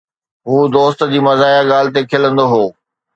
هو دوست جي مزاحيه ڳالهه تي کلندو هو